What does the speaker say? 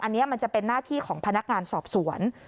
อันนี้มันจะเป็นหน้าที่ของพนักงานสอบสวน